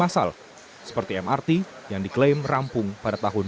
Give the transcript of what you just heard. seperti mrt yang diklaim rampung pada tahun dua ribu dua puluh